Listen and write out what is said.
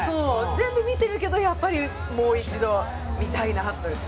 全部見てるけどやっぱりもう一度見たいなっていう。